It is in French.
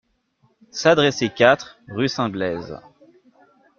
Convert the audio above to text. S'adresser quatre, rue St-Blaise.